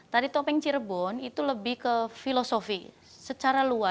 tari topeng cirebon itu lebih ke filosofi secara luas